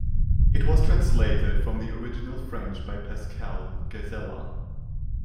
It was translated from the original French by Pascale Ghazaleh.